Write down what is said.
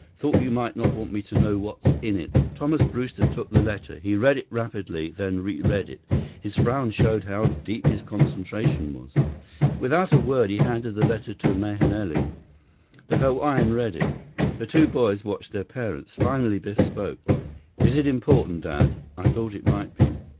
Thought you might not want me to know what's in it." 48 Thomas Brewster took the letter. He read it rapidly, then reread it. His frown showed how deep his concentration was. Without a word, he handed the letter to Mahenili. The Hawaiian read it. The two boys watched their parents. Finally Biff spoke. "Is it important, Dad? I thought it might be."